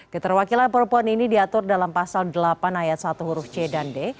keterwakilan perempuan ini diatur dalam pasal delapan ayat satu huruf c dan d